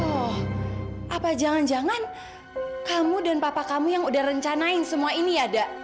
oh apa jangan jangan kamu dan papa kamu yang udah rencanain semua ini ya dak